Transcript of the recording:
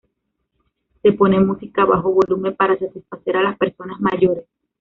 Se pone música a bajo volumen para satisfacer a las personas mayores.